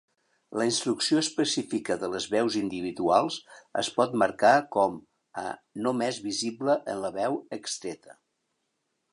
La instrucció específica de les veus individuals es pot marcar com a "només visible en la veu extreta".